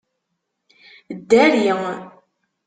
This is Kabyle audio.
Ddari!